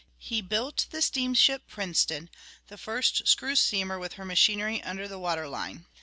He built the steamship Princeton, the first screw steamer with her machinery under the water line.